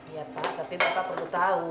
iya tak tapi bapak perlu tahu